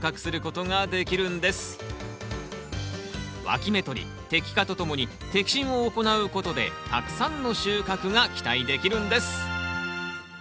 わき芽取り摘果とともに摘心を行うことでたくさんの収穫が期待できるんです！